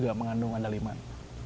yang mengandung anda liman